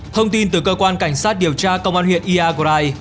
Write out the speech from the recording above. thông tin từ cơ quan cảnh sát điều tra công an huyện iagrai